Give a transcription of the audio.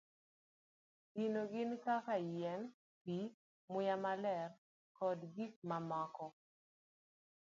Gigo gin kaka yien, pi, muya maler, kod gik mamoko.